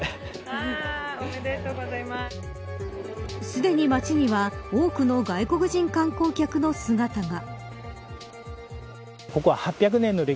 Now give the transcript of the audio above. すでに街には多くの外国人観光客の姿が。